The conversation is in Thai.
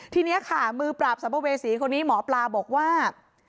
ทีนี้ค่ะมือปราบสัมภเวษีคนนี้หมอปลาบอกว่า